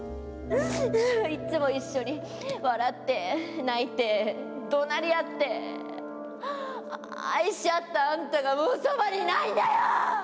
いっつも一緒に笑って、泣いて、どなり合って、愛し合ったあんたが、もうそばにいないんだよ。